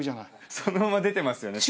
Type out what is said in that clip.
そのまま出てますよね。